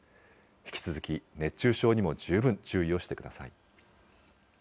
引き続き熱中症にも十分注意をしてください。